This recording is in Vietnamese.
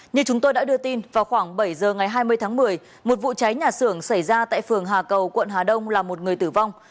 như chúng tôi đã đưa tin vào khoảng bảy giờ ngày hai mươi tháng một mươi một vụ cháy nhà xưởng xảy ra tại phường hà cầu quận hà đông là một người tử vong